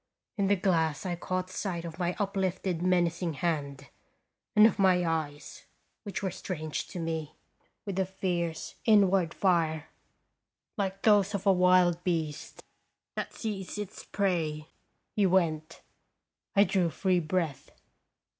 In the glass I caught sight of my uplifted, menacing hand, and of my eyes, which were strange to me, blazing with a fierce, inward fire, like those of a wild beast that 300 "are tl)e SDeair sees its prey. He went. I drew free breath.